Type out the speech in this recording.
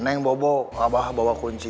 neng bobo abah bawa kunci